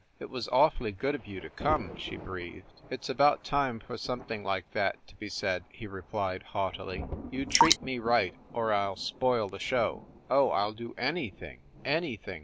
"It was awfully good of you to come!" she breathed. "It s about time for something like that to be said," he replied, haughtily. "You treat me right, or I ll spoil the show." "Oh, I ll do anything anything!"